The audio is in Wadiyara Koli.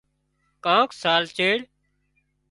ڪانڪ سال چيڙ